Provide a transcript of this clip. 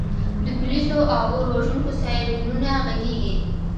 د پولیسو او اور وژونکو سایرنونه غږیږي